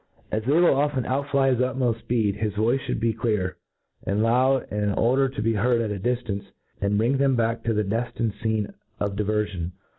As they will often outfly.his utmoft fpeed, his voice fliouldbe full, clear, and loud, irt order to be heaid at a diftance, and ta bring them ^ back to the dellincd fcene of diverfion.